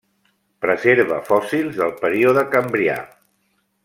Preserva fòssils del període Cambrià.